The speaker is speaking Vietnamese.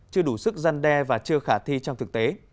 chưa đủ sức gian đe và chưa khả thi trong thực tế